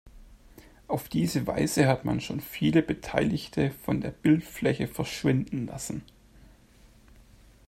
Auf diese Weise hat man schon viele Beteiligte von der Bildfläche verschwinden lassen.